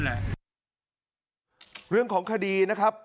เฮียวของคดีนะครับ